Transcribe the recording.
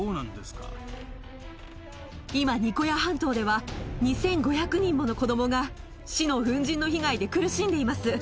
今、ニコヤ半島では、２５００人もの子どもが、死の粉じんの被害で苦しんでいます。